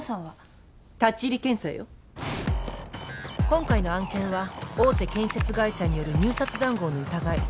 今回の案件は大手建設会社による入札談合の疑い。